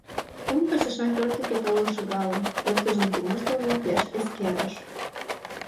Кум пачашан пӧрт деке толын шогалын, пырдыжым тумыштылмым пеш эскерыш.